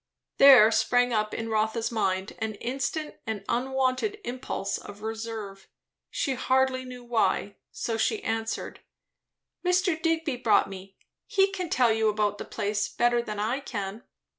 There sprang up in Rotha's mind an instant and unwonted impulse of reserve; she hardly knew why. So she answered, "Mr. Digby brought me; he can tell you about the place better than I can."